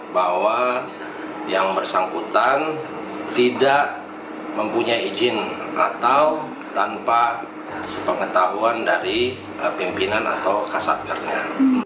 bahwa yang bersangkutan tidak mempunyai izin atau tanpa sepengetahuan dari pimpinan atau kasat kerner